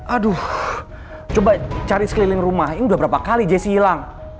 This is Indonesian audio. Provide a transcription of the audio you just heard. aduh coba cari sekeliling rumah ini udah berapa kali jessi hilang